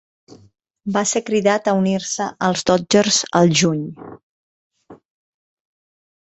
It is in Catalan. Va ser cridat a unir-se als Dodgers al juny.